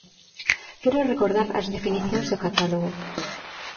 Quero recordar as definicións do catálogo.